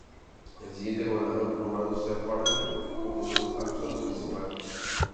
El siguiente Gobernador nombrado Sean Parnell como el acusado principal.